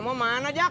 pernama mana jack